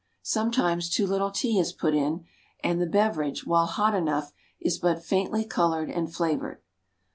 Sometimes too little tea is put in, and the beverage, while hot enough, is but faintly colored and flavored.